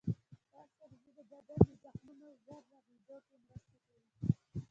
دا سبزی د بدن د زخمونو ژر رغیدو کې مرسته کوي.